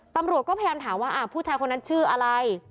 ตำรวจก็พยายามถามว่าผู้ชายคนนั้นชื่ออะไร